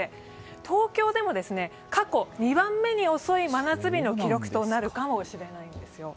東京でも過去２番目に遅い真夏日の記録となるかもしれないんです。